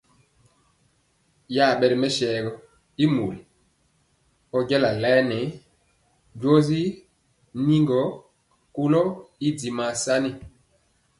Yabe ri mɛsaogɔ y mori ɔjala laɛ nɛɛ joji nyegɔ kolo y dimaa sani.